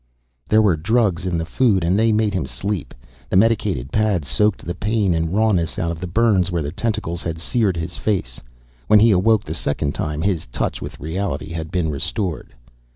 There were drugs in the food and they made him sleep. The medicated pads soaked the pain and rawness out of the burns where the tentacles had seared his face. When he awoke the second time, his touch with reality had been restored.